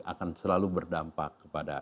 akan selalu berdampak kepada